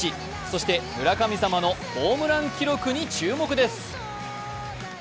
そして村神様のホームラン記録に注目です。